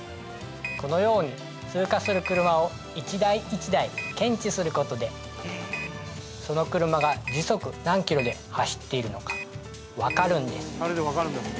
このように通過する車を一台一台検知することでその車が時速何キロで走っているのか分かるんです